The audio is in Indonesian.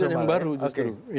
tidak ada yang baru justru